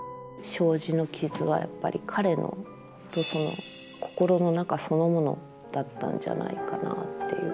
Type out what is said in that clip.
障子の傷はやっぱり彼の心の中そのものだったんじゃないかなっていう。